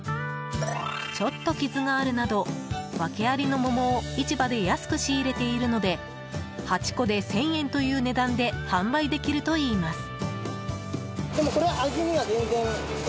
ちょっと傷があるなど訳ありの桃を市場で安く仕入れているので８個で１０００円という値段で販売できるといいます。